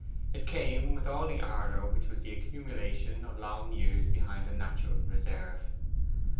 It came with all the ardour which was the accumulation of long years behind a natural reserve.